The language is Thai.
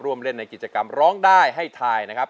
ร่วมเล่นในกิจกรรมร้องได้ให้ทายนะครับ